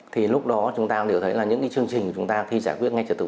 thì lúc đó chúng ta đều thấy là những chương trình chúng ta thi giải quyết ngay trở thủ